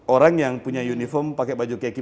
orang yang punya uniform pakai baju keki